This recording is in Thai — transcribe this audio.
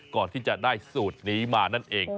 ก่อนที่จะได้สูตรนี้มานั่นเอง